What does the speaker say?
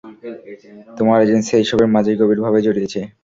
তোমার এজেন্সি এসবের মাঝে গভীর ভাবে জড়িয়েছে।